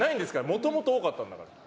もともと多かったんだから。